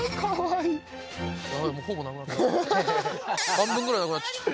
半分ぐらいなくなっちゃった。